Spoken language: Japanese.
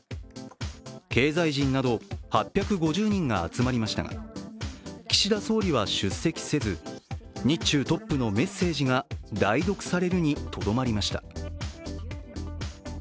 経済人など８５０人が集まりましたが岸田総理は出席せず日中トップのメッセージが代読されるにとどまりました。